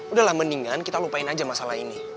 udahlah mendingan kita lupain aja masalah ini